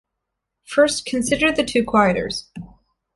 First, consider the two quieters.